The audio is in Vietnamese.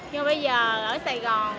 nhưng bây giờ ở sài gòn